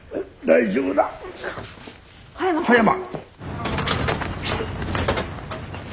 大丈夫だよ。